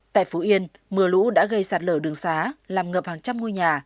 tại phú yên mưa lũ đã gây sạt lở đường xá làm ngập hàng trăm ngôi nhà